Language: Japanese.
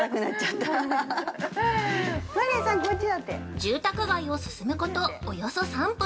◆住宅街を進むことおよそ３分。